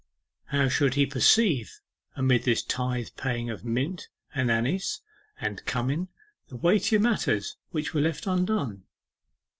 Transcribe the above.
How should he perceive, amid this tithe paying of mint, and anise, and cummin, the weightier matters which were left undone?